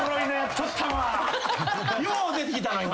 よう出てきたな今。